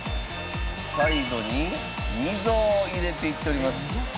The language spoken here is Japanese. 最後に溝を入れていっております。